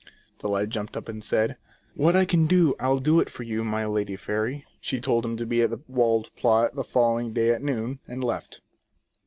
The lad jumped up and said :" What I can do I'll do it for you, my lady fairy." She told him to be at the walled plot the follow ing day at noon, and left.